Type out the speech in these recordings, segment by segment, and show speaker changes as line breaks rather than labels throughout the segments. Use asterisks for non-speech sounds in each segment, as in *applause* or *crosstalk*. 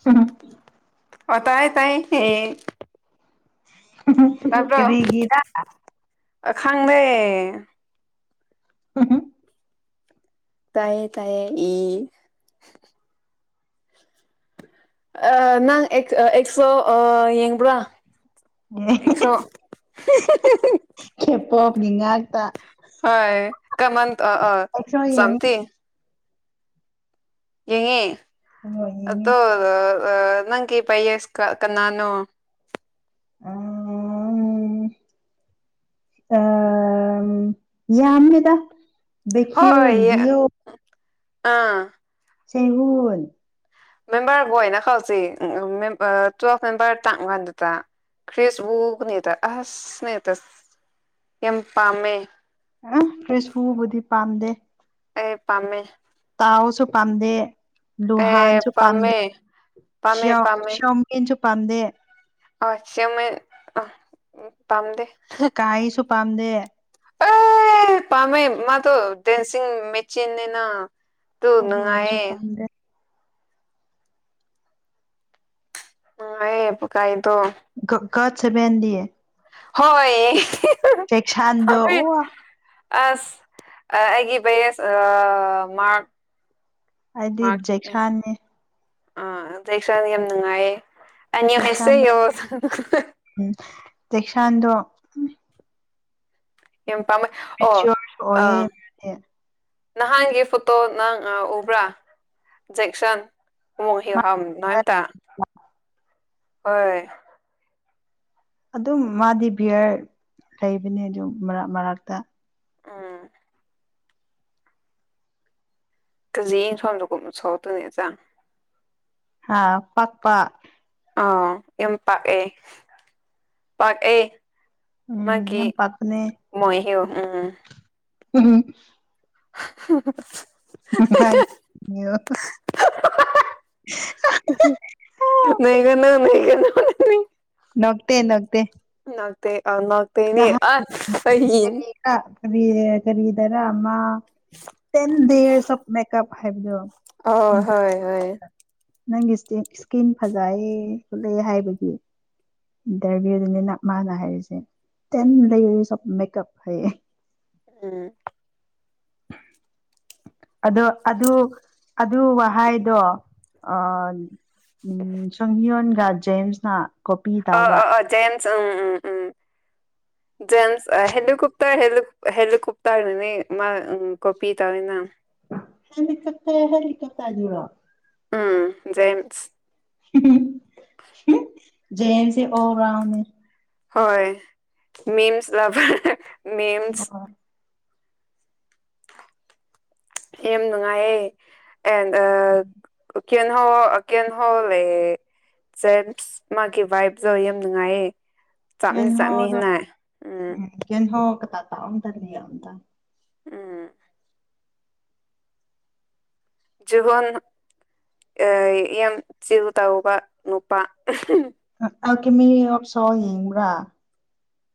*unintelligible*
ꯑꯣ ꯇꯥꯏ ꯇꯥꯏ ꯍꯦ
*unintelligible* ꯀꯔꯤꯒꯤꯔꯥ
ꯑ ꯈꯪꯅꯦ
ꯍ ꯍꯨꯝ
ꯇꯥꯏꯌꯦ ꯇꯥꯏꯌꯦ ꯏ ꯑꯥ ꯅꯪ ꯑꯦꯛ ꯑꯦꯛꯁꯣ ꯑ ꯌꯦꯡꯕ꯭ꯔꯥ ꯑꯦꯛꯁꯣ *unintelligible*
ꯀꯦꯄꯣꯞꯀꯤ ꯉꯥꯛꯇ
ꯍꯣꯏ ꯀꯃꯟ ꯑ ꯑ *unintelligible*
ꯑꯩꯁꯨ ꯌꯦꯡꯉꯤ
ꯌꯦꯡꯉꯦ
ꯍꯣꯏ ꯌꯦꯡꯉꯤ
ꯑꯇꯣ ꯑꯥ ꯑꯥ ꯅꯪꯒꯤ ꯄꯥꯏꯌꯦꯁ ꯀ ꯀꯅꯥꯅꯣ
*unintelligible* ꯑꯝ ꯌꯥꯃꯤꯗ
ꯍꯣꯏ ꯑꯥ
*unintelligible*
*unintelligible* *unintelligible* *unintelligible* *unintelligible* ꯌꯥꯝ ꯄꯥꯝꯃꯦ
ꯎꯝ ꯀ꯭ꯔꯤꯁ ꯋꯨꯕꯨꯗꯤ ꯄꯥꯝꯗꯦ
ꯑꯦ ꯄꯥꯝꯃꯦ
ꯇꯥꯎꯁꯨ ꯄꯥꯝꯗꯦ
ꯑꯦ
ꯂꯨꯍꯥꯟꯁꯨ
ꯄꯥꯝꯃꯦ
ꯄꯥꯝꯗꯦ
ꯄꯥꯝꯃꯦ
ꯁꯤꯌꯥꯎ ꯁꯤꯌꯥꯎ ꯌꯤꯟꯁꯨ ꯄꯝꯗꯦ
ꯑ ꯁꯤꯃꯣꯏ ꯑ ꯄꯥꯝꯗꯦ
ꯀꯥꯏꯁꯨ ꯄꯥꯝꯗꯦ
ꯑ ꯄꯥꯃꯦ ꯃꯥꯗꯨ ꯗꯦꯟꯁꯤꯡ ꯃꯦꯆꯤꯟ ꯇꯨ
ꯑꯗꯨ ꯑꯣꯏꯔꯁꯨ
ꯅꯨꯡꯉꯥꯏꯌꯦ
ꯄꯥꯝꯗꯦ
ꯅꯨꯉꯥꯏꯌꯦ ꯄ ꯀꯥꯏꯗꯣ
ꯒꯤ ꯒꯠ ꯁꯦꯕꯦꯟ ꯗꯤ
ꯍꯣꯏ
ꯖꯦꯛꯁꯥꯟꯗꯣ ꯑꯣ
*unintelligible* ꯑꯁ ꯑ ꯑꯩꯒꯤ ꯕꯦꯁ ꯑꯩ ꯃꯥꯛ
ꯑꯩꯗꯤ
ꯃꯥꯛꯅꯦ
ꯖꯦꯛꯁꯥꯟꯅꯦ
ꯑꯥ *unintelligible* ꯌꯥꯝ ꯅꯨꯡꯉꯥꯏꯌꯦ
ꯖꯦꯛꯁꯥꯟꯗꯣ
*unintelligible*
ꯎꯝ ꯖꯦꯛꯁꯥꯟꯗꯣ
ꯌꯥꯝ ꯄꯝꯃꯦ ꯑꯣ
ꯃꯦꯆꯤꯌꯣꯔꯁꯨ
ꯑ
ꯑꯣꯏꯌꯦ
ꯅꯍꯥꯟꯒꯤ ꯐꯣꯇꯣ ꯅꯪ ꯑ ꯎꯕ꯭ꯔꯥ ꯖꯦꯛꯁꯟ
ꯃꯥꯗꯤ ꯃꯥ
*unintelligible* ꯍꯣꯏ
ꯑꯗꯨꯝ ꯃꯥꯗꯤ ꯕꯤꯌꯔ ꯂꯩꯕꯅꯦ ꯑꯗꯨꯝ ꯃꯔ ꯃꯔꯛꯇ
ꯑꯥ ꯀꯖꯤ ꯌꯦ ꯁꯣꯝꯗ ꯀꯨꯝꯅ ꯁꯧꯛꯇꯣꯏꯅꯦ ꯏ ꯆꯥꯡ *unintelligible*
ꯍꯥ ꯄꯛꯄꯥ
ꯑ ꯌꯥꯝ ꯄꯥꯛꯑꯦ ꯄꯥꯛꯑꯦ
ꯎꯝ
ꯃꯥꯒꯤ
ꯌꯥꯝ ꯄꯥꯛꯄꯅꯦ
ꯃꯣꯏ ꯍꯤꯔꫭ ꯎꯝ ꯎꯝ
ꯎꯝ
*unintelligible*
*unintelligible*
ꯅꯩꯒꯅꯣ ꯅꯩꯒꯅꯣ
ꯅꯣꯛꯇꯦ ꯅꯣꯛꯇꯦ ꯅꯍꯥꯟ
*unintelligible*
ꯀꯔꯤꯔ ꯀꯔꯤ ꯀꯔꯤꯗꯔꯥ ꯑꯃ ten days of make up ꯍꯥꯏꯕꯗꯣ
ꯑꯣ ꯍꯣꯏ ꯍꯣꯏ
ꯅꯪꯒꯤ ꯏꯁꯀꯤꯟ ꯐꯖꯩꯌꯦ ꯈꯨꯠꯂꯦ ꯍꯥꯏꯕꯒꯤ ꯏꯟꯇꯔꯚꯤꯌꯨꯗꯨꯅꯤꯅ ꯃꯥꯅ ꯍꯥꯏꯔꯤꯁꯦ ꯇꯦꯟ ꯗꯦꯖ ꯑꯣꯐ ꯃꯦꯀꯞ ꯍꯥꯏꯌꯦ
ꯎꯝ
ꯑꯗꯣ ꯑꯗꯨ ꯑꯗꯨ ꯋꯥꯍꯩꯗꯣ ꯑ ꯎꯝ ꯁꯣꯡꯅꯤꯌꯣꯟꯒ ꯖꯦꯝꯁꯅ ꯀꯣꯄꯤ
ꯑ
ꯇꯧꯕ
ꯑ ꯑ ꯖꯦꯝꯁ ꯎꯝ ꯎꯝ ꯎꯝ
*inaudible*
ꯖꯦꯟꯁ ꯑ ꯍꯦꯂꯤꯀꯨꯞꯇꯔ ꯍꯂꯤ ꯍꯦꯂꯤꯀꯨꯞꯇꯥꯔꯅꯅꯦ ꯃꯥ ꯀꯣꯄꯤ ꯇꯧꯔꯤꯅꯤꯅ
ꯍꯦꯂꯤꯀꯣꯞꯇꯔ ꯍꯦꯂꯤꯀꯣꯞꯇꯔꯗꯨꯔꯣ
ꯎꯝ ꯖꯦꯝꯁ
ꯖꯦꯝꯁꯦ ꯑꯣꯜ ꯔꯥꯎꯅꯦ
ꯍꯣꯏ ꯃꯤꯝꯁ ꯂꯚꯔ ꯃꯤꯝꯁ
ꯑꯣ
ꯌꯥꯝ ꯅꯨꯡꯉꯥꯏꯌꯦ ꯑꯦꯟ ꯀꯟꯍꫭꯜ ꯀꯦꯟꯍꯣꯜ ꯂꯩꯌꯦ ꯖꯦꯝꯁ ꯃꯥꯒꯤ ꯚꯏꯞꯇꯣ ꯌꯥꯝ ꯅꯨꯡꯉꯥꯏꯌꯦ ꯆꯞꯅ ꯆꯞꯃꯤꯅ ꯎꯝ
ꯀꯦꯟꯍꫭꯜ ꯀꯇ ꯇꯗꯅꯤ ꯑꯗ
ꯎꯝ ꯖꯨꯍꯣꯟ ꯑ ꯌꯥꯝ ꯆꯤꯜ ꯇꯧꯕ ꯅꯨꯄꯥ
ꯑꯛꯀꯃꯤ ꯑꯣꯐ ꯁꯣ ꯌꯦꯡꯕ꯭ꯔꯥ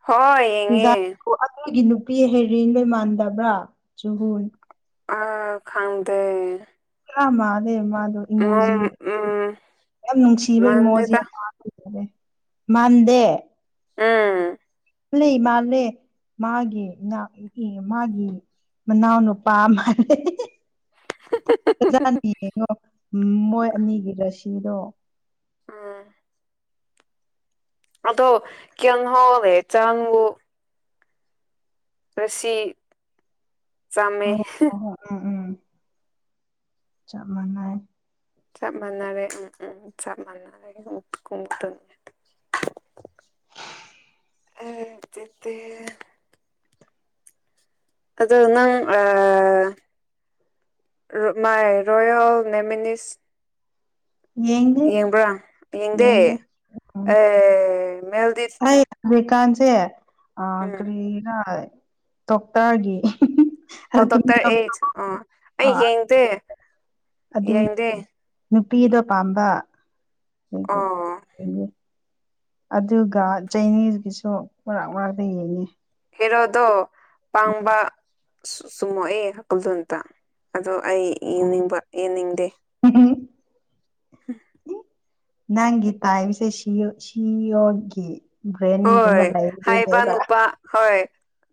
ꯍꯣꯏ ꯌꯦꯡꯉꯦ
ꯑꯣ ꯑꯗꯨꯒꯤ ꯅꯨꯄꯤ ꯍꯩꯔꯦꯟꯗꫭ ꯃꯥꯟꯗꯕ꯭ꯔꯥ ꯆꯨꯍꯨꯟ
ꯑꯥ ꯈꯪꯗꯦ
ꯈꯔꯥ ꯃꯥꯜꯂꯦ ꯃꯥꯗꯣ
ꯎꯝ
ꯏꯃꯣꯖꯤ
ꯎꯝ
ꯌꯥꯝ ꯅꯨꯡꯁꯤꯕ ꯏꯃꯣꯖꯤ
ꯃꯥꯟꯗꯦꯗ
*unintelligible* ꯃꯥꯟꯗꯦ
ꯎꯝ
ꯂꯩ ꯃꯥꯂꯦ ꯃꯥꯒꯤ ꯃꯥꯒꯤ ꯃꯅꯥꯎ ꯅꯨꯄꯥ ꯃꯥꯜꯂꯦ ꯐꯖꯅ ꯌꯦꯡꯉꯣ ꯃꯣꯏ ꯑꯅꯤꯒꯤ ꯔꯁꯤꯗꯣ
ꯎꯝ ꯑꯗꯣ ꯀꯦꯟ ꯍꯣꯂꯦ ꯆꯪꯕꯨ ꯔꯁꯤ ꯆꯝꯃꯦ
ꯍꯣꯏ ꯍꯣꯏ ꯍꯣꯏ ꯎꯝ ꯎꯝ ꯆꯞ ꯃꯥꯟꯅꯩ
ꯆꯞ ꯃꯥꯟꯅꯔꯦ ꯎꯝ ꯎꯝ ꯆꯞ ꯃꯥꯟꯅꯔꯦ *unintelligible* ꯑꯗꯨꯗꯤ ꯑꯗꯨ ꯅꯪ ꯑ ꯔꯨꯛ ꯃꯥꯏ ꯔꯣꯌꯜ ꯅꯦꯃꯤꯅꯤꯁ
ꯌꯦꯡꯗꯦ
ꯌꯦꯡꯕ꯭ꯔꯥ ꯌꯦꯡꯗꯦ
ꯎꯝ
ꯑꯦ ꯃꯦꯜꯗꯤ
ꯑꯩ ꯑꯃꯦꯔꯤꯀꯥꯟꯁꯦ ꯑ
ꯎꯝ
ꯀꯔꯤꯔ ꯇꫭꯛꯇꯔꯒꯤ
ꯑꯣ ꯗꯣꯛꯇꯔ ꯑꯩꯠ ꯑꯣ
ꯑ
ꯑꯩ ꯌꯦꯡꯗꯦ ꯌꯦꯡꯗꯦ
ꯅꯨꯄꯤꯗ ꯄꯥꯝꯕ
ꯑꯣ
ꯑꯗꯨꯒ ꯆꯩꯅꯤꯁꯒꯤꯁꯨ ꯃꯔꯛ ꯃꯔꯥꯛꯛꯇ ꯌꯦꯡꯉꯤ
ꯍꯤꯔꯣꯗ ꯄꯪꯕ ꯆꯨꯝꯃ *inaudible* ꯈꯨꯖꯇ ꯑꯣ ꯑꯩ ꯌꯦꯡꯅꯤꯡꯕ ꯌꯦꯡꯅꯤꯡꯗꯦ
ꯎꯝ ꯅꯪꯒꯤ ꯇꯥꯏꯕꯁꯦ ꯁꯤ ꯁꯤꯌꯣꯒꯤ ꯭ꯔꯦꯟꯒꯨꯝꯕ
ꯍꯣꯏ ꯍꯥꯏꯕ
ꯂꯩꯕꯗꯨꯅꯦꯕ
ꯅꯨꯄꯥ ꯍꯣꯏ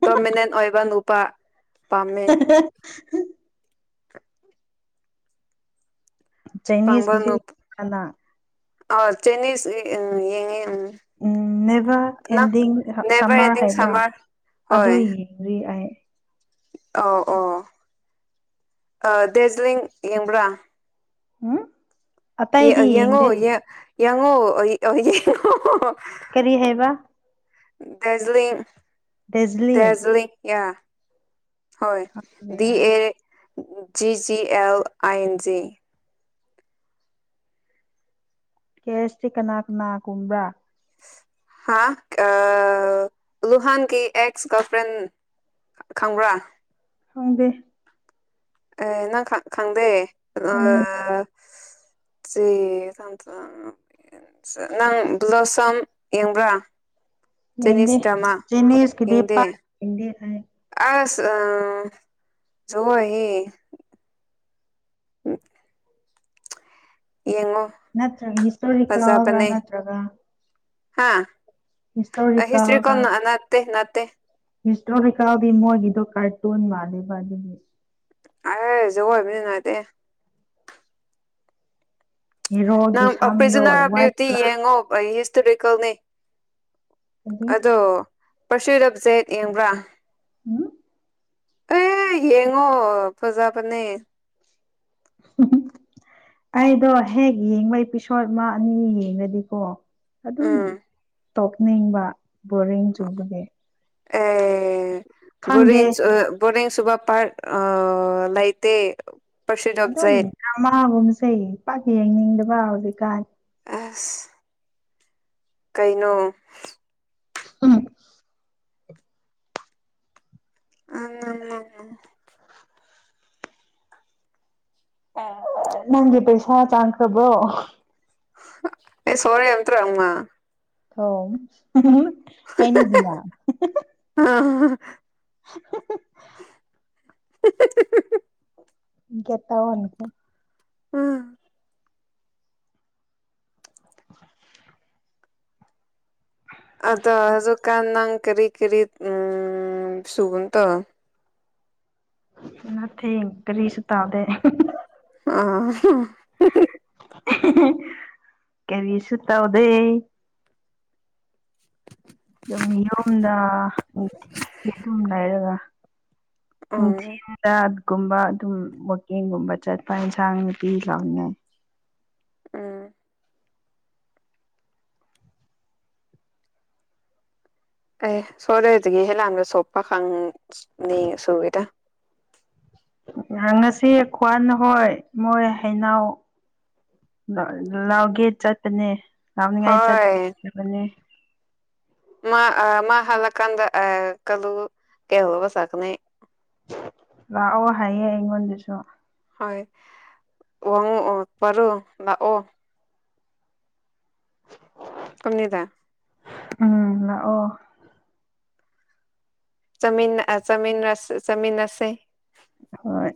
ꯇꯣꯃꯤꯅꯦꯟ ꯑꯣꯏꯕ ꯅꯨꯄꯥ ꯄꯥꯝꯃꯦ
ꯍ ꯆꯥꯏꯅꯤꯁꯀꯤꯁꯨ
ꯄꯝꯕꯅ ꯉꯝ
ꯍꯥꯟꯅ
ꯑ ꯆꯟꯅꯁ ꯌꯦꯉ
ꯎꯝ never ending
never
summer
ending
ꯍꯥꯏꯕ꯭ꯔꯥ
ꯁꯝꯃꯔ
ꯑꯗꯨ ꯌꯦꯡꯔꯤ ꯑꯩ
ꯑꯧ ꯑꯣ ꯗꯔꯖꯂꯤꯡ ꯌꯦꯡꯕ꯭ꯔꯥ
ꯍꯨꯝ
ꯌꯦꯡꯉꯣ ꯌꯦꯡꯉꯣ ꯌꯦꯡꯉꯣ
ꯀꯔꯤ ꯍꯥꯏꯕ
ꯗꯔꯖꯂꯤ
ꯗꯦꯖꯂꯤꯡ
ꯗꯔꯖꯂꯤ ꯌꯥ ꯍꯣꯏ
ꯈꯪꯗꯦ
ꯗꯤ
ꯑꯩ
ꯑꯦ ꯖꯤꯖꯤ ꯑꯦꯜ ꯑꯟꯖꯤ
ꯀꯦꯁꯇꯤ ꯀꯅꯥ ꯀꯅꯥꯒꯨꯝꯕ꯭ꯔꯥ
ꯍꯥ ꯂꯨꯍꯥꯟ ꯀ ꯑꯦꯁ ꯒꯟ ꯐ꯭ꯔꯦꯟ ꯈꯪꯕ꯭ꯔꯥ
ꯈꯪꯗꯦ
ꯑꯦ ꯅꯪ ꯈꯪꯗꯦ
ꯎꯝ
ꯁꯤ ꯊ *inaudible* ꯅꯪ ꯕ꯭ꯂꯣꯁꯝ ꯌꯦꯡꯕ꯭ꯔꯥ
ꯃꯦꯍꯗꯤ
ꯆꯦꯅꯤꯁ ꯗ꯭ꯔꯃꯥ
ꯆꯤꯅꯤꯁ
ꯌꯦꯡꯗꯦ
ꯀꯗꯤꯄꯥ *unintelligible* ꯃꯦꯗꯤ ꯍꯥꯏ
ꯑꯁ ꯑ *unintelligible* ꯑꯩ *unintelligible* ꯌꯦꯡꯉꯣ
ꯅꯠꯇ꯭ꯔꯒ ꯍꯤꯁꯇꯣꯔꯤꯀꯦꯎꯒ꯭ꯔ ꯅꯠꯇ꯭ꯔꯒ
ꯍꯥꯥ ꯍꯤꯇꯔꯤ ꯀꯣ
ꯍꯤꯁꯇꯣꯔꯤꯀꯦꯜꯔ
ꯅꯅꯥꯠꯇꯦ ꯅꯅꯥꯇꯦ
ꯍꯤꯁꯇꯣꯔꯤꯀꯦꯜꯗꯤ ꯃꯣꯏꯒꯤꯗꯣ ꯀꯥꯔꯇꯨꯟ ꯃꯥꯜꯅꯦꯦꯕ ꯑꯗꯨꯒꯤ
ꯑꯩꯁꯨꯖ ꯑꯣꯏꯕ ꯉꯗꯤ
ꯍꯦꯔꯣꯒꯤ
ꯅꯪ
ꯁꯝꯗꯣ
ꯄ꯭ꯔꯤꯖꯨꯅꯔ
ꯋꯥꯏꯠ
ꯕ꯭ꯨꯇꯤ ꯌꯦꯡꯉꯣ *inaudible* ꯀꯅꯤ
ꯀꯂꯔꯗꯤ
ꯑꯗꯣ ꯄꯔꯁꯤꯗꯞꯖꯦꯠ ꯌꯦꯡꯕ꯭ꯔꯥ
ꯎꯝ
ꯑꯦ ꯌꯦꯡꯉꯣ ꯐꯖꯕꯅꯦ
ꯑꯩꯗꯣ ꯍꯦꯛ ꯌꯦꯡꯕ ꯏꯄꯤꯁꯣꯠ ꯃꯥ ꯑꯅꯤ ꯌꯦꯡꯉꯗꯤꯀꯣ ꯑꯗꯨꯝ
ꯎꯝ
ꯇꯣꯛꯅꯤꯡꯕ ꯕꯣꯔꯤꯡ ꯆꯨꯕꯒꯤ
ꯑꯦ
ꯈꯪꯗꯦ
ꯕꯣꯌꯤꯛ ꯁꯨ ꯕꯣꯔꯤꯡ ꯆꯨꯕ ꯄꯥꯔ ꯑ ꯂꯥꯏꯇꯦ
ꯑꯗꯨꯝ ꯗ꯭ꯔꯃꯥꯒꯨꯝꯁꯦ ꯄꯥꯛ ꯌꯦꯡꯅꯤꯡꯗꯕ ꯍꯧꯖꯤꯛꯀꯥꯟ
ꯑꯁ ꯀꯩꯅꯣ
ꯎꯝ
ꯑ
ꯅꯪꯒꯤ ꯄꯩꯁꯥ ꯆꯥꯟꯈ꯭ꯔꯕꯣ
*unintelligible*
ꯍꯣ ꯍꯥꯏꯅꯤꯛ ꯗꯨꯅ
ꯑ
*unintelligible* ꯒꯦꯠ *unintelligible*
ꯑꯥ
*inaudible*
ꯑꯗꯣ ꯍꯧꯖꯤꯛꯀꯥꯟ ꯅꯪ ꯀ꯭ꯔꯤ ꯀ꯭ꯔꯤ ꯎꯝ *unintelligible*
ꯅꯊꯤꯡ ꯀ꯭ꯔꯤꯁꯨ ꯇꯧꯗꯦ
ꯑꯥ ꯍꯥ ꯍꯝ ꯍꯝ
ꯑꯍꯥ ꯍꯥ ꯀꯔꯤꯁꯨ ꯇꯧꯗꯦ ꯑꯗꯨꯝ ꯌꯨꯝꯗ ꯅꯨꯡꯇꯤꯒꯤ ꯑꯗꯨꯝ ꯂꯩꯔꯒ ꯅꯨꯡꯊꯤꯟ
ꯎꯝ
ꯖꯥꯠ ꯒꯨꯝꯕ ꯑꯗꯨꯝ ꯋꯥꯛꯀꯤꯡꯒꯨꯝꯕ ꯆꯠꯄ ꯏꯟꯁꯥꯡ ꯅꯨꯄꯤ ꯂꯥꯡꯅꯤꯡꯉꯥꯏ
ꯎꯝ *unintelligible*
ꯉꯍ ꯉꯁꯤ ꯈ꯭ꯋꯥꯟ ꯍꯣꯏ ꯃꯣꯏ ꯍꯩꯩꯅꯧ ꯂꯥꯎꯒꯦ ꯆꯠꯄꯅꯦ ꯂꯥꯎꯅꯤꯡꯉꯥꯏ
ꯍꯣꯏ
ꯆꯠꯄꯅꯦ
ꯃꯥ ꯑ ꯃꯥ ꯍꯥꯂꯛ ꯀꯥꯟꯗ *unintelligible*
ꯂꯥꯛꯑꯣ ꯍꯥꯏꯌꯦ ꯑꯩꯉꯣꯟꯗꯁꯨ
ꯍꯣꯏ ꯋꯥꯡꯉꯛꯑꯣ ꯄ꯭ꯔꯣ ꯂꯥꯛꯑꯣ *unintelligible*
ꯎꯝ ꯂꯥꯛꯑꯣ
ꯆꯥꯃꯤꯟ ꯑꯥ ꯆꯥꯃꯤꯟꯔꯁ ꯆꯥꯃꯤꯟꯅꯁꯦ
ꯍꯣꯏ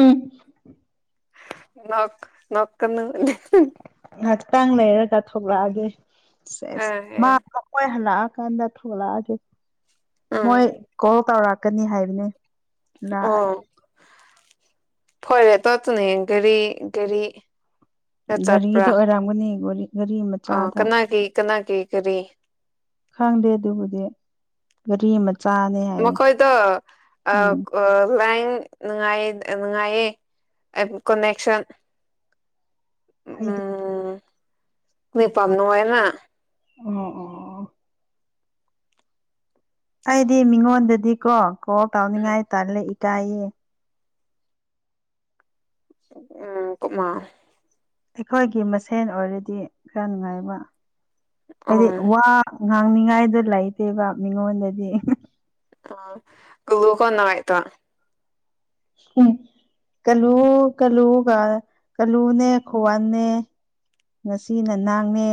ꯎꯝ
ꯅꫭꯛ ꯅꯣꯛꯀꯅꫭ
ꯉꯥꯏꯍꯥꯛꯇꯪ ꯂꯩꯔꯒ ꯊꯣꯛꯂꯛꯑꯒꯦ
ꯑ
ꯁꯦꯁ
ꯑ
ꯃꯥꯗꫭ ꯃꫭꯏ ꯍꯜꯂꯛꯑꯀꯥꯟꯗ ꯊꯣꯛꯠꯂꯛꯑꯒꯦ ꯃꯣꯏ
ꯎꯝ
ꯀꯣꯜ ꯇꯧꯔꯛꯀꯅꯤ ꯍꯥꯏꯕꯅꯦ ꯂꯥꯛ
ꯑꯣ ꯐꯔꯦ ꯇꯣꯠꯇꯨꯅꯦ ꯒꯥꯔꯤ ꯒꯥꯔꯤ
ꯒꯥꯔꯤꯗ ꯑꯣꯏꯔꯝꯒꯅꯤ ꯒꯥꯔꯤ ꯒꯥꯔꯤ
ꯑꯥ
ꯃꯆꯥꯗ
ꯀꯅꯥꯒꯤ ꯀꯅꯥꯒꯤ ꯒꯥꯔꯤ
ꯈꯪꯗꯦ ꯑꯗꯨꯕꯨꯗꯤ ꯒꯥꯔꯤ ꯃꯆꯥꯅꯦ ꯍꯥꯏꯌꯦ
ꯃꯈꯣꯏꯗꫭ ꯑꯥ
ꯎꯝ
ꯂꯥꯏꯟ ꯅꯨꯡꯉꯥꯏ ꯅꯨꯡꯉꯥꯏꯌꯦ ꯀꯅꯦꯛꯁꯟ
ꯍꯥꯏꯗꯤ
*unintelligible*
ꯑꯣ ꯑꯣ ꯑꯩꯗꯤ ꯃꯤꯉꯣꯟꯗꯗꯤ ꯀꯣ ꯀꯣꯜ ꯇꯥꯎꯅꯤꯡꯉꯥꯏ ꯇꯜꯂꯦ ꯏꯀꯥꯏꯌꯦ
ꯎꯝ ꯀꫭꯛꯃꯥ
ꯑꯩꯈꯣꯏꯒꯤ ꯃꯁꯦꯟ ꯑꯣꯏꯔꯗꯤ ꯈꯔ ꯅꯨꯡꯉꯥꯏꯕ ꯍꯥꯏꯗꯤ
ꯎꯝ
ꯋꯥ ꯉꯥꯡꯅꯤꯉꯥꯏꯗꯣ ꯂꯩꯇꯦꯕ ꯃꯤꯉꯣꯟꯗꯗꯤ
ꯑ ꯎ ꯀꯣꯟꯅꯥꯋꯥꯥꯏꯇꯣ *unintelligible*
ꯍꯝ ꯀꯂꯨ ꯀꯂꯨꯒ ꯀꯂꯨꯅꯦ ꯈꯣꯋꯟꯅꯦ ꯉꯁꯤꯅ ꯅꯪꯅꯦ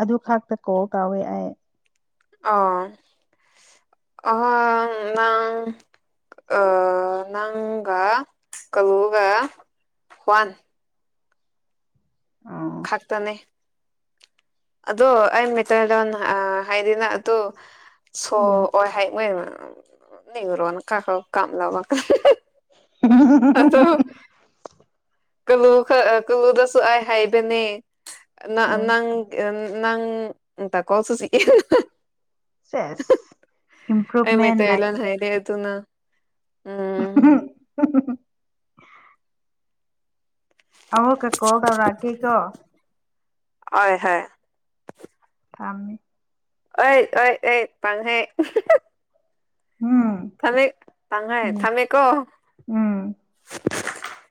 ꯑꯗꯨꯈꯥꯛꯇ ꯀꫭꯜ ꯇꯥꯎꯋꯦ ꯑꯩ
ꯑꫭ ꯑꯥ ꯅꯪ ꯑꯥ ꯅꯪꯒ ꯀꯂꯨꯒ ꯈꯋꯥꯟ
ꯑꫭ
ꯈꯥꯛꯇꯅꯦ ꯑꯗꯣ ꯑꯩ ꯃꯤꯇꯩ ꯂꯣꯟ ꯑꯥ ꯍꯥꯏꯗꯤ ꯅꯪ ꯑꯇꯨ
ꯎꯝ
*unintelligible* ꯑꯗꫭ ꯀꯂꯨ ꯈ ꯀꯂꯨꯗꯁꯨ ꯑꯩ ꯍꯥꯏꯕꯅꯦ ꯅ
ꯎꯝ
ꯅꯪ ꯅꯪ ꯇ
ꯁꯦꯁ
*unintelligible* ꯑꯩ
ꯏꯝꯄ꯭ꯔꯨꯚꯃꯦꯟ
ꯃꯩꯇꯩ ꯂꫭꯟ ꯍꯩꯇꯦ ꯑꯗꯨꯅ
ꯑꯍꯝ
ꯎꯝ
ꯍꯝ ꯍꯝ ꯍꯝ ꯍꯝ ꯑꯃꯨꯛꯀ ꯀꯣꯜ ꯇꯧꯔꯛꯀꯦꯀꯣ
ꯑꯣꯏ ꯍꯣꯏ
ꯊꯝꯃꯦ
ꯑꯣꯏ ꯑꯣꯏ ꯑꯦ ꯄꯥꯡꯍꯦ
ꯎꯝ
ꯊꯝꯃꯦ ꯇꯥꯡꯉꯥꯏ
ꯎꯝ
ꯊꯝꯃꯦꯀꯣ
ꯎꯝ